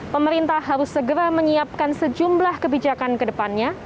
pemerintah harus segera menyiapkan sejumlah kebijakan ke depannya